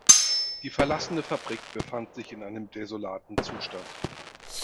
Die verlassene Fabrik befand sich in einem desolaten Zustand.